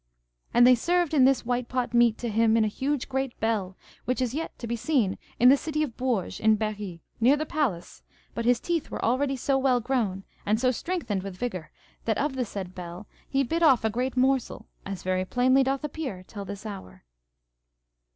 And they served in this whitepot meat to him in a huge great bell, which is yet to be seen in the city of Bourges in Berry, near the palace, but his teeth were already so well grown, and so strengthened with vigour, that of the said bell he bit off a great morsel, as very plainly doth appear till this hour.